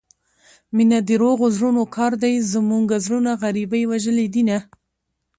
مينه دروغو زړونو كار دى زموږه زړونه غريبۍ وژلي دينه